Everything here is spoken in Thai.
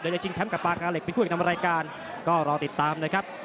เดี๋ยวจะชิงแชมป์กับปลากาเล็กเป็นคู่อีกนำรายการก็รอติดตามนะครับ